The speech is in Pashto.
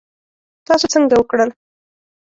تاسو څنګه وکړل؟